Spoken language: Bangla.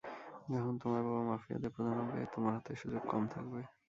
যখন তোমার বাবা মাফিয়াদের প্রধান হবে, তোমার হাতে সুযোগ কম থাকবে।